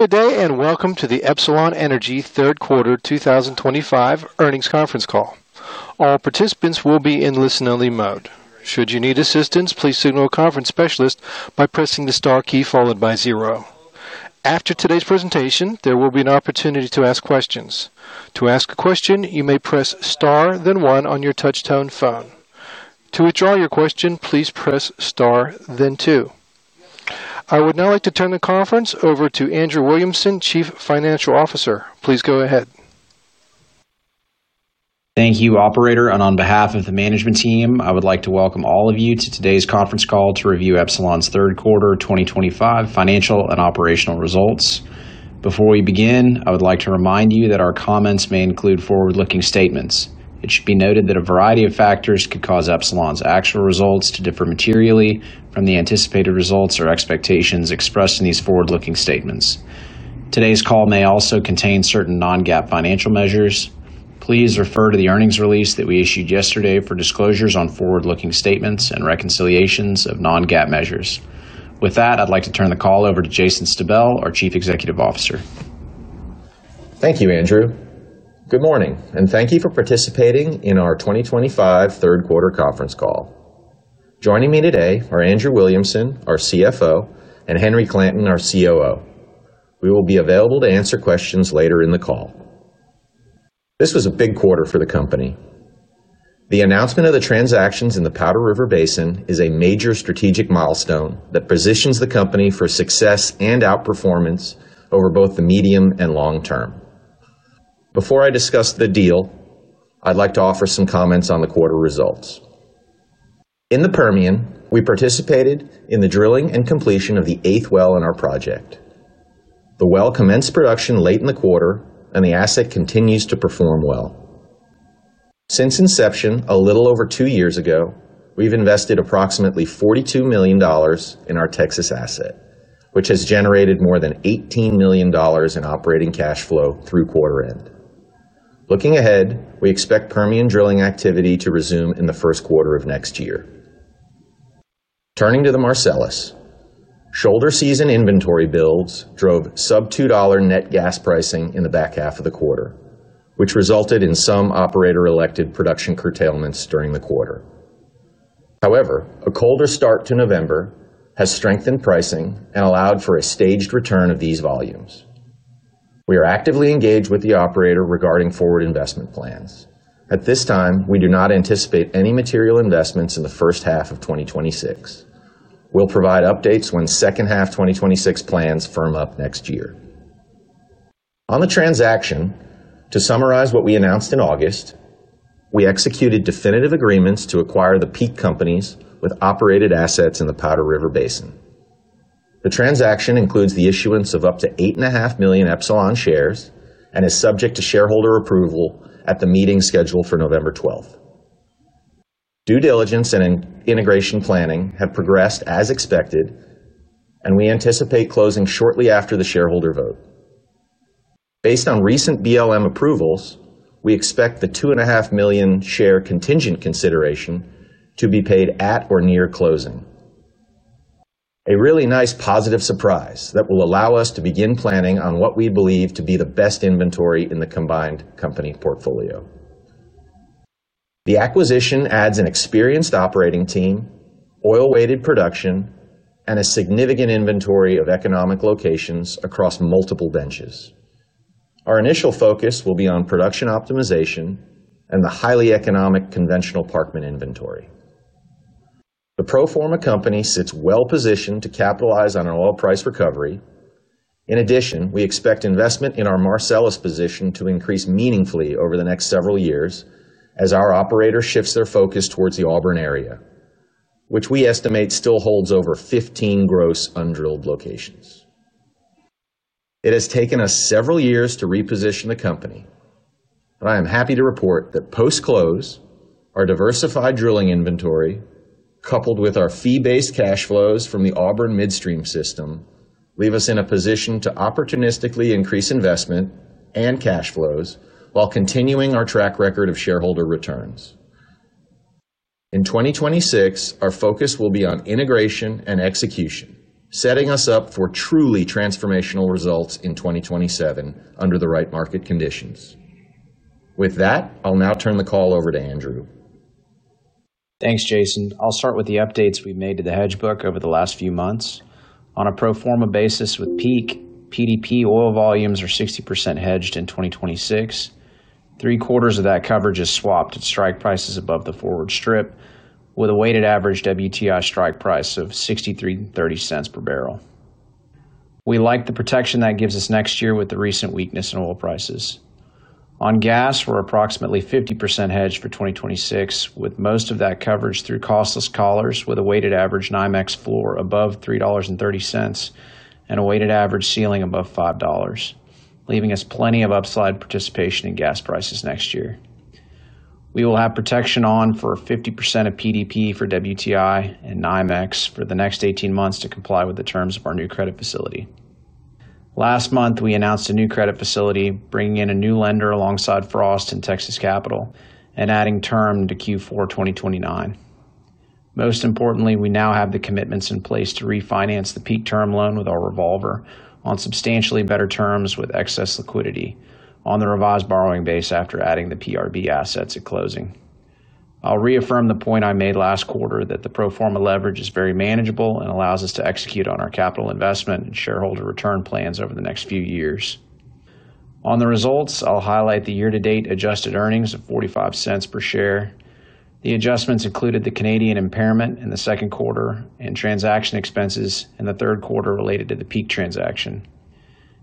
Good day and welcome to the Epsilon Energy Third Quarter 2025 earnings conference call. All participants will be in listen-only mode. Should you need assistance, please signal a conference specialist by pressing the star key followed by zero. After today's presentation, there will be an opportunity to ask questions. To ask a question, you may press star, then one on your touch-tone phone. To withdraw your question, please press star, then two. I would now like to turn the conference over to Andrew Williamson, Chief Financial Officer. Please go ahead. Thank you, Operator. On behalf of the management team, I would like to welcome all of you to today's conference call to review Epsilon Energy's Third Quarter 2025 financial and operational results. Before we begin, I would like to remind you that our comments may include forward-looking statements. It should be noted that a variety of factors could cause Epsilon Energy's actual results to differ materially from the anticipated results or expectations expressed in these forward-looking statements. Today's call may also contain certain non-GAAP financial measures. Please refer to the earnings release that we issued yesterday for disclosures on forward-looking statements and reconciliations of non-GAAP measures. With that, I'd like to turn the call over to Jason Stabell, our Chief Executive Officer. Thank you, Andrew. Good morning, and thank you for participating in our 2025 Third Quarter conference call. Joining me today are Andrew Williamson, our CFO, and Henry Clanton, our COO. We will be available to answer questions later in the call. This was a big quarter for the company. The announcement of the transactions in the Powder River Basin is a major strategic milestone that positions the company for success and outperformance over both the medium and long term. Before I discuss the deal, I'd like to offer some comments on the quarter results. In the Permian, we participated in the drilling and completion of the eighth well in our project. The well commenced production late in the quarter, and the asset continues to perform well. Since inception a little over two years ago, we've invested approximately $42 million in our Texas asset, which has generated more than $18 million in operating cash flow through quarter-end. Looking ahead, we expect Permian drilling activity to resume in the first quarter of next year. Turning to the Marcellus. Shoulder season inventory builds drove sub-$2 net gas pricing in the back half of the quarter, which resulted in some operator-elected production curtailments during the quarter. However, a colder start to November has strengthened pricing and allowed for a staged return of these volumes. We are actively engaged with the operator regarding forward investment plans. At this time, we do not anticipate any material investments in the first half of 2026. We'll provide updates when second half 2026 plans firm up next year. On the transaction, to summarize what we announced in August. We executed definitive agreements to acquire the Peak Companies with operated assets in the Powder River Basin. The transaction includes the issuance of up to 8.5 million Epsilon shares and is subject to shareholder approval at the meeting scheduled for November 12th. Due diligence and integration planning have progressed as expected, and we anticipate closing shortly after the shareholder vote. Based on recent BLM approvals, we expect the 2.5 million share contingent consideration to be paid at or near closing. A really nice positive surprise that will allow us to begin planning on what we believe to be the best inventory in the combined company portfolio. The acquisition adds an experienced operating team, oil-weighted production, and a significant inventory of economic locations across multiple benches. Our initial focus will be on production optimization and the highly economic conventional Parkman inventory. The pro forma company sits well-positioned to capitalize on an oil price recovery. In addition, we expect investment in our Marcellus position to increase meaningfully over the next several years as our operator shifts their focus towards the Auburn area, which we estimate still holds over 15 gross un-drilled locations. It has taken us several years to reposition the company. I am happy to report that post-close, our diversified drilling inventory, coupled with our fee-based cash flows from the Auburn midstream system, leave us in a position to opportunistically increase investment and cash flows while continuing our track record of shareholder returns. In 2026, our focus will be on integration and execution, setting us up for truly transformational results in 2027 under the right market conditions. With that, I'll now turn the call over to Andrew. Thanks, Jason. I'll start with the updates we made to the hedge book over the last few months. On a pro forma basis with Peak, PDP oil volumes are 60% hedged in 2026. Three quarters of that coverage is swapped at strike prices above the forward strip, with a weighted average WTI strike price of $63.30 per barrel. We like the protection that gives us next year with the recent weakness in oil prices. On gas, we're approximately 50% hedged for 2026, with most of that coverage through costless collars with a weighted average 9x floor above $3.30 and a weighted average ceiling above $5.00, leaving us plenty of upside participation in gas prices next year. We will have protection on for 50% of PDP for WTI and 9x for the next 18 months to comply with the terms of our new credit facility. Last month, we announced a new credit facility, bringing in a new lender alongside Frost and Texas Capital and adding term to Q4 2029. Most importantly, we now have the commitments in place to refinance the Peak term loan with our revolver on substantially better terms with excess liquidity on the revised borrowing base after adding the PRB assets at closing. I'll reaffirm the point I made last quarter that the pro forma leverage is very manageable and allows us to execute on our capital investment and shareholder return plans over the next few years. On the results, I'll highlight the year-to-date adjusted earnings of $0.45 per share. The adjustments included the Canadian impairment in the second quarter and transaction expenses in the third quarter related to the Peak transaction.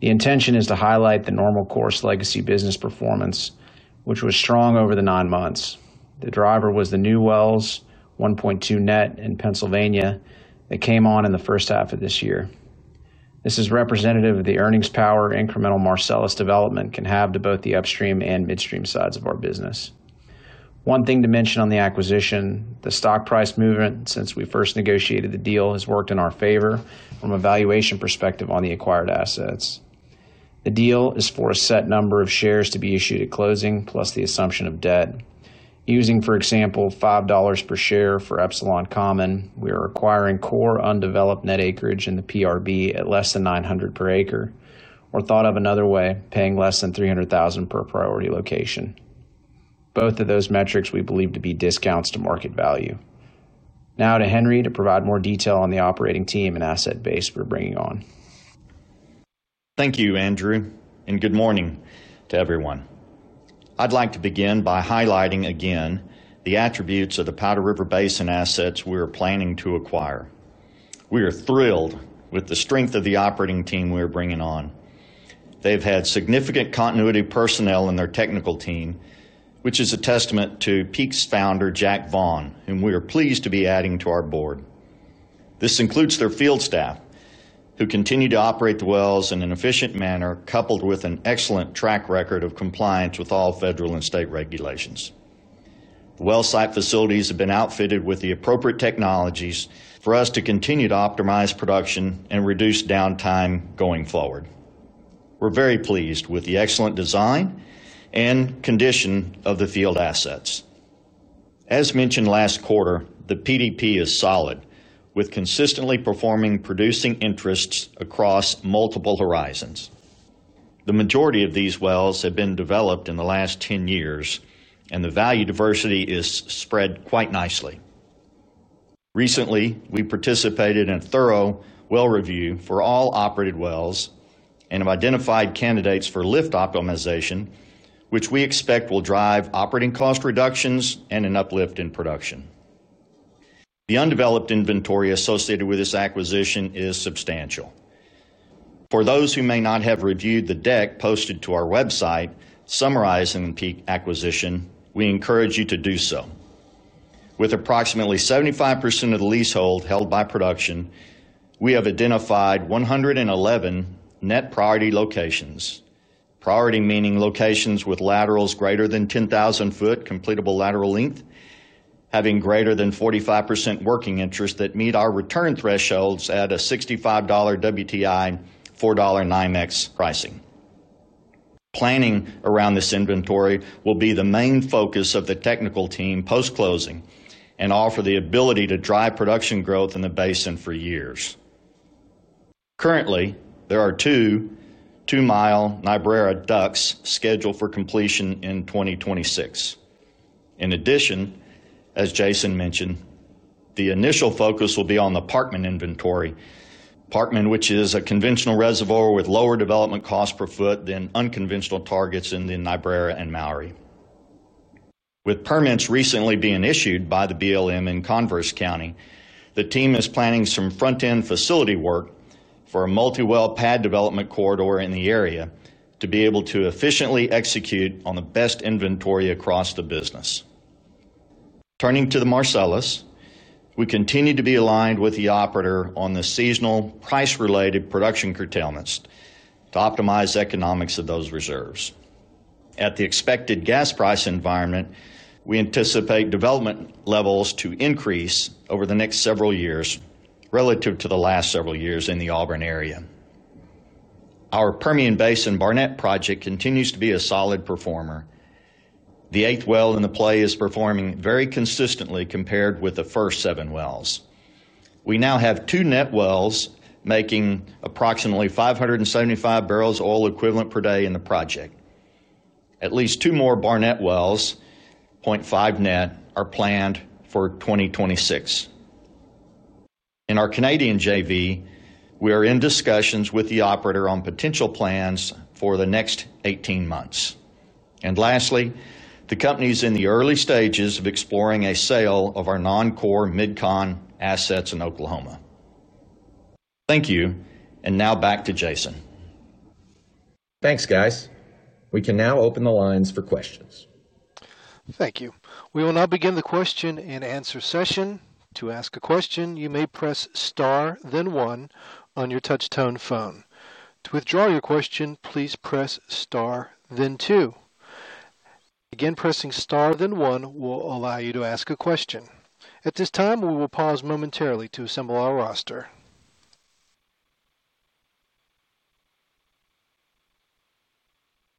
The intention is to highlight the normal course legacy business performance, which was strong over the nine months. The driver was the new Wells, 1.2 net in Pennsylvania, that came on in the first half of this year. This is representative of the earnings power incremental Marcellus development can have to both the upstream and midstream sides of our business. One thing to mention on the acquisition, the stock price movement since we first negotiated the deal has worked in our favor from a valuation perspective on the acquired assets. The deal is for a set number of shares to be issued at closing, plus the assumption of debt. Using, for example, $5 per share for Epsilon Common, we are acquiring core undeveloped net acreage in the PRB at less than $900 per acre, or thought of another way, paying less than $300,000 per priority location. Both of those metrics we believe to be discounts to market value. Now to Henry to provide more detail on the operating team and asset base we're bringing on. Thank you, Andrew, and good morning to everyone. I'd like to begin by highlighting again the attributes of the Powder River Basin assets we are planning to acquire. We are thrilled with the strength of the operating team we are bringing on. They've had significant continuity personnel in their technical team, which is a testament to Peak's founder, Jack Vaughn, whom we are pleased to be adding to our board. This includes their field staff, who continue to operate the W ells in an efficient manner, coupled with an excellent track record of compliance with all federal and state regulations. The well site facilities have been outfitted with the appropriate technologies for us to continue to optimize production and reduce downtime going forward. We're very pleased with the excellent design and condition of the field assets. As mentioned last quarter, the PDP is solid, with consistently performing producing interests across multiple horizons. The majority of these Wells have been developed in the last 10 years, and the value diversity is spread quite nicely. Recently, we participated in a thorough well review for all operated Wells and have identified candidates for lift optimization, which we expect will drive operating cost reductions and an uplift in production. The undeveloped inventory associated with this acquisition is substantial. For those who may not have reviewed the deck posted to our website summarizing the Peak acquisition, we encourage you to do so. With approximately 75% of the leasehold held by production, we have identified 111 net priority locations, priority meaning locations with laterals greater than 10,000 ft completable lateral length, having greater than 45% working interest that meet our return thresholds at a $65 WTI, $4.9x pricing. Planning around this inventory will be the main focus of the technical team post-closing and offer the ability to drive production growth in the basin for years. Currently, there are two, two-mile Niobrara drills scheduled for completion in 2026. In addition, as Jason mentioned, the initial focus will be on the Parkman inventory, Parkman, which is a conventional reservoir with lower development cost per foot than unconventional targets in the Niobrara and Mowry. With permits recently being issued by the BLM in Converse County, the team is planning some front-end facility work for a multi-well pad development corridor in the area to be able to efficiently execute on the best inventory across the business. Turning to the Marcellus, we continue to be aligned with the operator on the seasonal price-related production curtailments to optimize economics of those reserves. At the expected gas price environment, we anticipate development levels to increase over the next several years relative to the last several years in the Auburn area. Our Permian Basin Barnett project continues to be a solid performer. The eighth well in the play is performing very consistently compared with the first seven Wells. We now have two net Wells making approximately 575 barrels oil equivalent per day in the project. At least two more Barnett Wells, 0.5 net, are planned for 2026. In our Canadian JV, we are in discussions with the operator on potential plans for the next 18 months. Lastly, the company is in the early stages of exploring a sale of our non-core midstream assets in Oklahoma. Thank you, and now back to Jason. Thanks, guys. We can now open the lines for questions. Thank you. We will now begin the question and answer session. To ask a question, you may press star, then one on your touch-tone phone. To withdraw your question, please press star, then two. Again, pressing star then one will allow you to ask a question. At this time, we will pause momentarily to assemble our roster.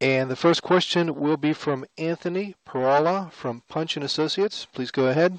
The first question will be from Anthony Perala from Punch & Associates. Please go ahead.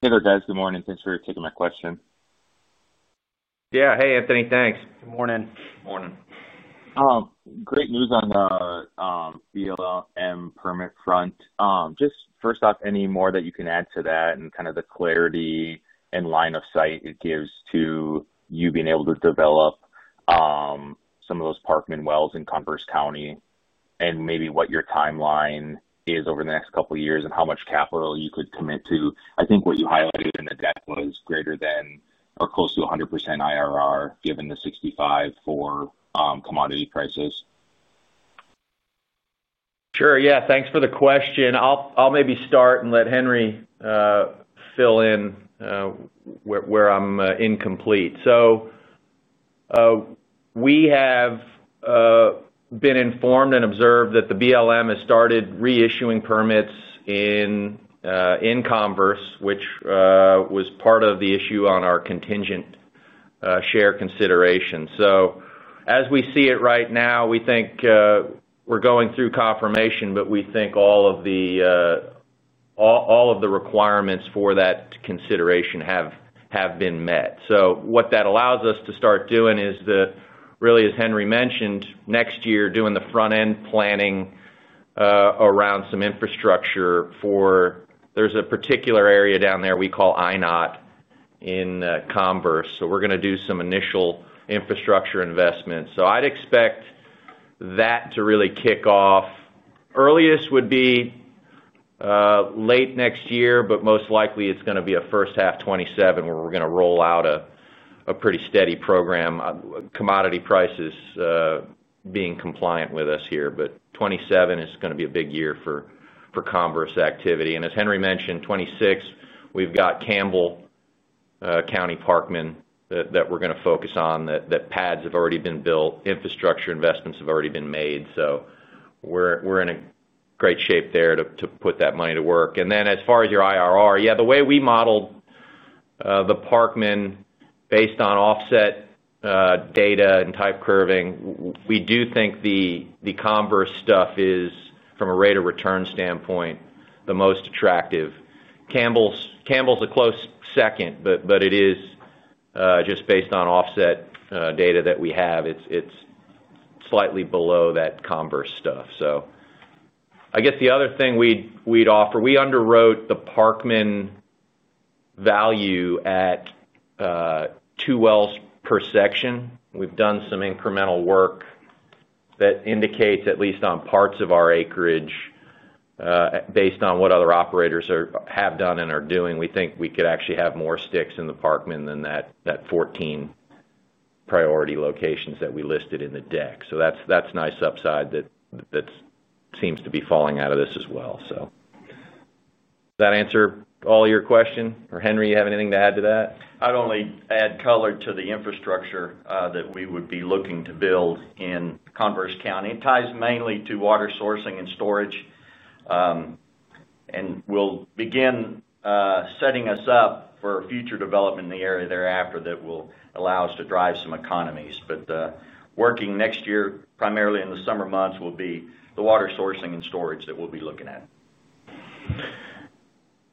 Hey there, guys. Good morning. Thanks for taking my question. Yeah. Hey, Anthony. Thanks. Good morning. Morning. Great news on the BLM permit front. Just first off, any more that you can add to that and kind of the clarity and line of sight it gives to you being able to develop some of those Parkman Wells in Converse County and maybe what your timeline is over the next couple of years and how much capital you could commit to. I think what you highlighted in the deck was greater than or close to 100% IRR given the $65 for commodity prices. Sure. Yeah. Thanks for the question. I'll maybe start and let Henry fill in where I'm incomplete. We have been informed and observed that the BLM has started reissuing permits in Converse, which was part of the issue on our contingent share consideration. As we see it right now, we think we're going through confirmation, but we think all of the requirements for that consideration have been met. What that allows us to start doing is the, really, as Henry mentioned, next year, doing the front-end planning around some infrastructure for there's a particular area down there we call INOT in Converse. We're going to do some initial infrastructure investments. I'd expect that to really kick off. Earliest would be late next year, but most likely it's going to be a first half 2027 where we're going to roll out a pretty steady program. Commodity prices being compliant with us here. 2027 is going to be a big year for Converse activity. As Henry mentioned, 2026, we've got Campbell County Parkman that we're going to focus on, that pads have already been built, infrastructure investments have already been made. We're in great shape there to put that money to work. As far as your IRR, yeah, the way we modeled the Parkman based on offset data and type curving, we do think the Converse stuff is, from a rate of return standpoint, the most attractive. Campbell's a close second, but it is just based on offset data that we have, it's slightly below that Converse stuff. I guess the other thing we'd offer, we underwrote the Parkman value at two Wells per section. We've done some incremental work that indicates, at least on parts of our acreage, based on what other operators have done and are doing, we think we could actually have more sticks in the Parkman than that fourteen priority locations that we listed in the deck. That's nice upside that seems to be falling out of this as well. Does that answer all your question? Or Henry, you have anything to add to that? I'd only add color to the infrastructure that we would be looking to build in Converse County. It ties mainly to water sourcing and storage. We'll begin setting us up for future development in the area thereafter that will allow us to drive some economies. Working next year, primarily in the summer months, will be the water sourcing and storage that we'll be looking at.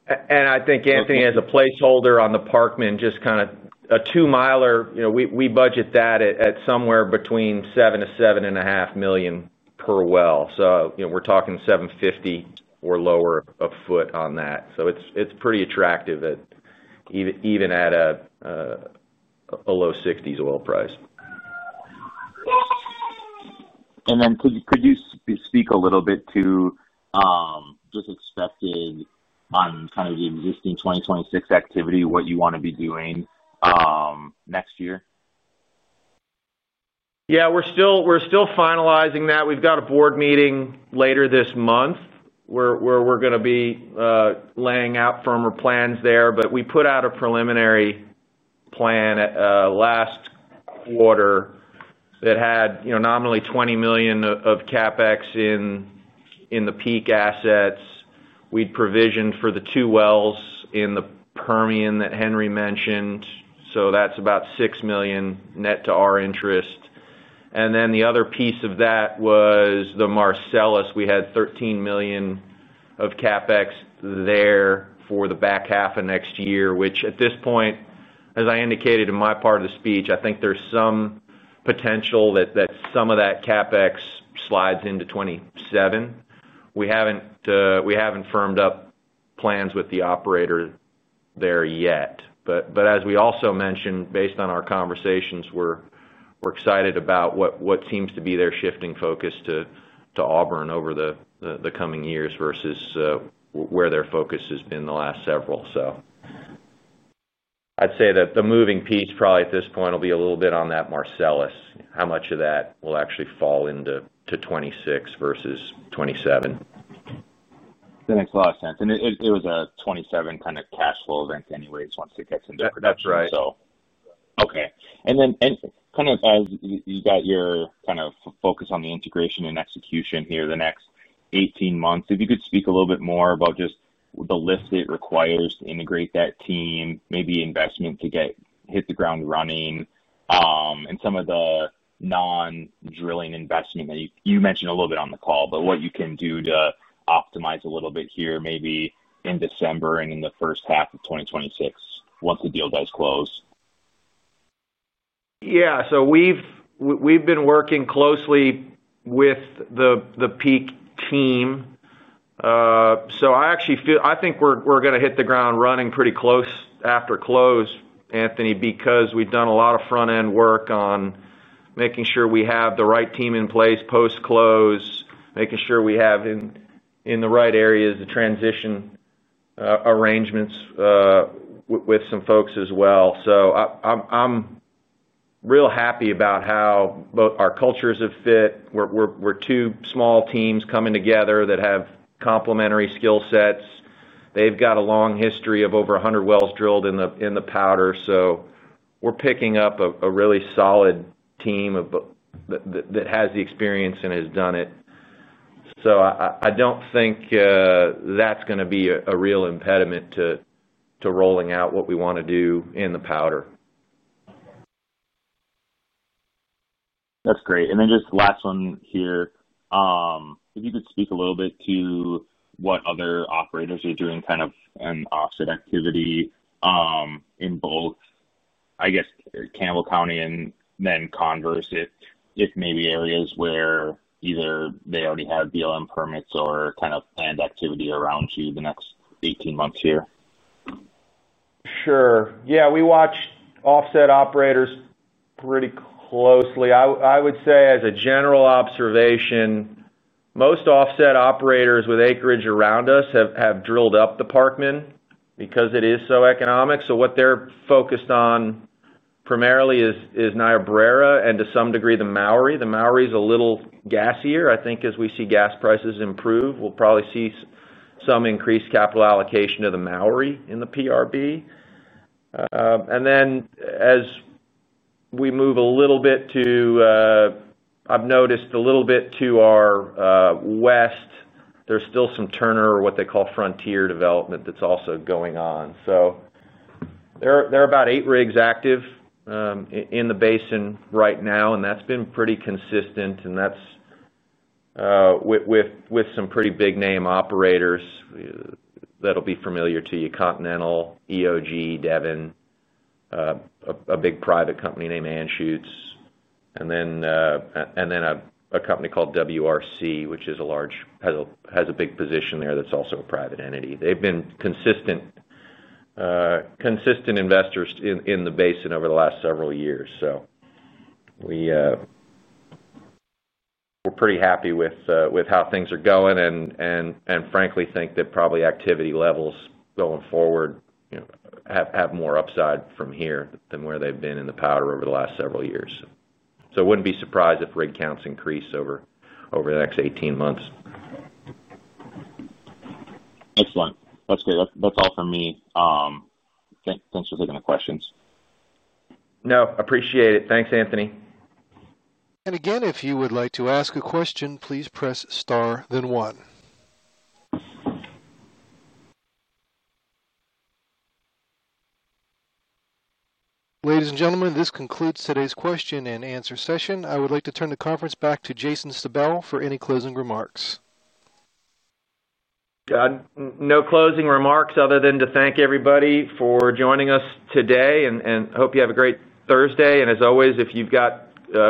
I think, Anthony, as a placeholder on the Parkman, just kind of a two-miler, we budget that at somewhere between $7 million-$7.5 million per well. So we're talking $750 or lower a foot on that. It's pretty attractive, even at a low $60s oil price. Could you speak a little bit to just expected, on kind of the existing 2026 activity, what you want to be doing next year? Yeah. We're still finalizing that. We've got a board meeting later this month where we're going to be laying out firmer plans there. We put out a preliminary plan last quarter that had nominally $20 million of CapEx in the Peak assets. We'd provisioned for the two Wells in the Permian that Henry mentioned, so that's about $6 million net to our interest. The other piece of that was the Marcellus. We had $13 million of CapEx there for the back half of next year, which at this point, as I indicated in my part of the speech, I think there's some potential that some of that CapEx slides into 2027. We haven't firmed up plans with the operator there yet. As we also mentioned, based on our conversations, we're excited about what seems to be their shifting focus to Auburn over the coming years versus where their focus has been the last several. I'd say that the moving piece probably at this point will be a little bit on that Marcellus, how much of that will actually fall into 2026 versus 2027. That makes a lot of sense. It was a 2027 kind of cash flow event anyways once it gets into 2026. That's right. Okay. And then kind of as you got your kind of focus on the integration and execution here the next 18 months, if you could speak a little bit more about just the lift it requires to integrate that team, maybe investment to hit the ground running. And some of the non-drilling investment that you mentioned a little bit on the call, but what you can do to optimize a little bit here maybe in December and in the first half of 2026 once the deal does close? Yeah. We've been working closely with the Peak team. I actually feel I think we're going to hit the ground running pretty close after close, Anthony, because we've done a lot of front-end work on making sure we have the right team in place post-close, making sure we have in the right areas the transition arrangements with some folks as well. I'm real happy about how our cultures have fit. We're two small teams coming together that have complementary skill sets. They've got a long history of over 100 Wells drilled in the Powder. We're picking up a really solid team that has the experience and has done it. I don't think that's going to be a real impediment to rolling out what we want to do in the Powder. That's great. And then just the last one here. If you could speak a little bit to what other operators are doing kind of in offset activity. In both, I guess, Campbell County and then Converse, if maybe areas where either they already have BLM permits or kind of planned activity around you the next 18 months here? Sure. Yeah. We watch offset operators pretty closely. I would say as a general observation, most offset operators with acreage around us have drilled up the Parkman because it is so economic. What they're focused on primarily is Niobrara and to some degree the Mowry. The Mowry is a little gassier. I think as we see gas prices improve, we'll probably see some increased capital allocation to the Mowry in the PRB. As we move a little bit to, I've noticed a little bit to our west, there's still some Turner or what they call Frontier Development that's also going on. There are about eight rigs active in the basin right now, and that's been pretty consistent. That's with some pretty big name operators that'll be familiar to you: Continental, EOG, Devon, a big private company named Anschutz, and then a company called WRC, which has a large, big position there, that's also a private entity. They've been consistent investors in the basin over the last several years. We're pretty happy with how things are going and frankly think that probably activity levels going forward have more upside from here than where they've been in the Powder over the last several years. It wouldn't be surprised if rig counts increase over the next 18 months. Excellent. That's great. That's all for me. Thanks for taking the questions. No. Appreciate it. Thanks, Anthony. If you would like to ask a question, please press star then one. Ladies and gentlemen, this concludes today's question and answer session. I would like to turn the conference back to Jason Stabell for any closing remarks. No closing remarks other than to thank everybody for joining us today and hope you have a great Thursday. As always, if you've got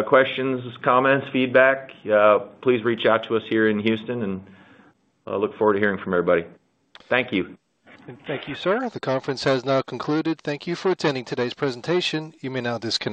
questions, comments, feedback, please reach out to us here in Houston, and I look forward to hearing from everybody. Thank you. Thank you, sir. The conference has now concluded. Thank you for attending today's presentation. You may now disconnect.